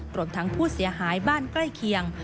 รวมทั้งผู้เสียหายบ้านใกล้เคียง